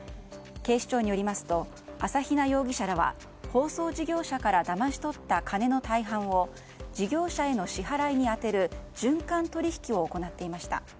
警視庁によりますと朝比奈容疑者らは放送事業者からだまし取った金の大半を事業者への支払いに充てる循環取引を行っていました。